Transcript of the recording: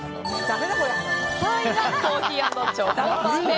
３位がコーヒー＆チョコパフェ。